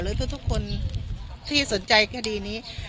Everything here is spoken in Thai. หรือทุกคนที่สนใจคดี้นี้